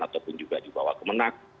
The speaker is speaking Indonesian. ataupun juga di bawah kemenang